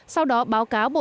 sau đó báo cáo bộ giao thông